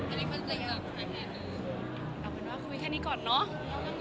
เอาคือว่าคุยแค่นี้ก่อนเนอะ